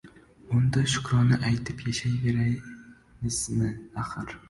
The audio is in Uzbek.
“Unda shukrona aytib yashayvermaysizmi, axir!